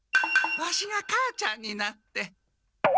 ワシが母ちゃんになって。